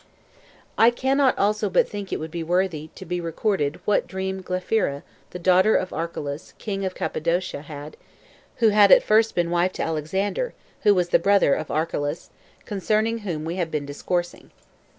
4. I cannot also but think it worthy to be recorded what dream Glaphyra, the daughter of Archelaus, king of Cappadocia, had, who had at first been wife to Alexander, who was the brother of Archelaus, concerning whom we have been discoursing.